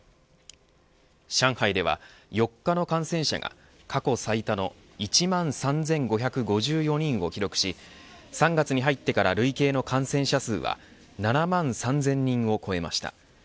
上海では４日の感染者が過去最多の１万３５５４人を記録し３月に入ってから累計の感染者数は７万３０００人を超えました。